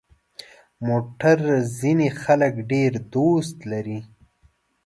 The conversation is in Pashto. موټر ځینې خلک ډېر دوست لري.